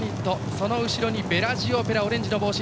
その後ろにベラジオオペラオレンジの帽子。